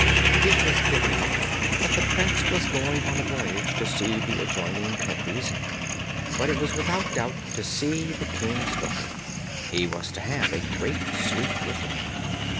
It was given out that the prince was going on a voyage to see the adjoining countries, but it was without doubt to see the king's daughter; he was to have a great suite with him.